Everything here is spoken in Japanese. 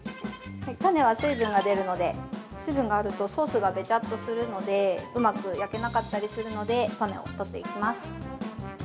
種は水分が出るので、水分があるとソースがべちゃっとするので、うまく焼けなかったりするので、種を取っていきます。